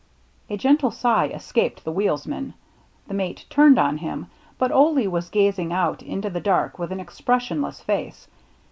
A gentle sigh escaped the wheelsman. The mate turned on him ; but Ole was gazing out into the dark with an expressionless face.